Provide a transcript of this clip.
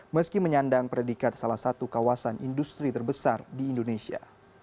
meski menyandang predikat salah satu kawasan industri terbesar di indonesia